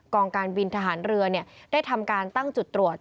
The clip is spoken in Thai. องการบินทหารเรือได้ทำการตั้งจุดตรวจ